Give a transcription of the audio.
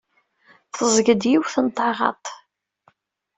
Teẓẓeg-d yiwet n taɣaḍt.